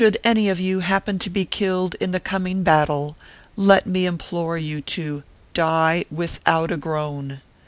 any of you happen to be killed in the coming battle, let me implore you to Die without a groan.